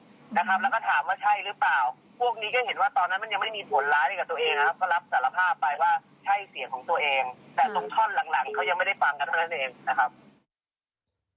แต่ตรงท่อนหลังเขายังไม่ได้ฟังกันเท่านั้นเองนะครับ